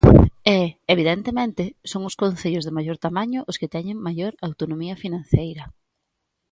E, evidentemente, son os concellos de maior tamaño os que teñen maior autonomía financeira.